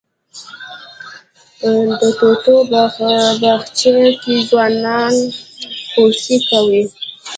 د توتو باغچې کې ځوانانو خوسی کوه.